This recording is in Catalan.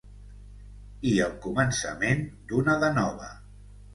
I el començament d'una de nova.